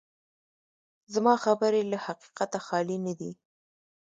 زما خبرې له حقیقته خالي نه دي.